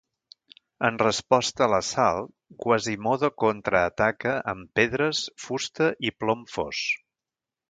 En resposta a l'assalt, Quasimodo contraataca amb pedres, fusta i plom fos.